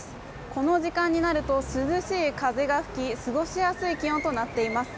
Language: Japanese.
この時間になると涼しい風が吹き過ごしやすい気温となっています。